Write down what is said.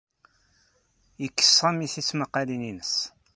Yekkes Sami tismaqalin-nnes.